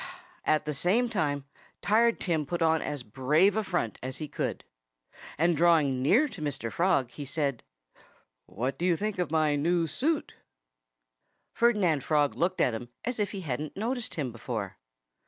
At the same time Tired Tim put on as brave a front as he could. And drawing near to Mr. Frog, he said: "What do you think of my new suit?" Ferdinand Frog looked at him as if he hadn't noticed him before.